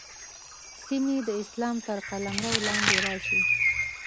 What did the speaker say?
سیمې د اسلام تر قلمرو لاندې راشي.